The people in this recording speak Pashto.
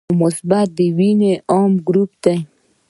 او مثبت د وینې عام ګروپ دی